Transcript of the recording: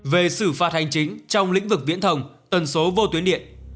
về xử phạt hành chính trong lĩnh vực viễn thông tần số vô tuyến điện